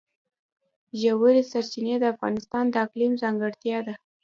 ژورې سرچینې د افغانستان د اقلیم ځانګړتیا ده.